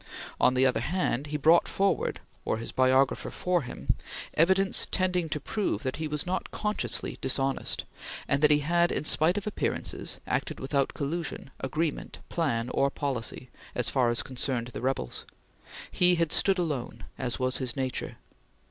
On the other hand, he brought forward or his biographer for him evidence tending to prove that he was not consciously dishonest, and that he had, in spite of appearances, acted without collusion, agreement, plan, or policy, as far as concerned the rebels. He had stood alone, as was his nature.